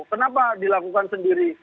kenapa dilakukan sendiri